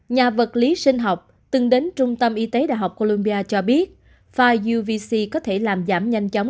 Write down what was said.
nhà vật lý sinh học từng đến trung tâm y tế đại học colombia cho biết file uvc có thể làm giảm nhanh chóng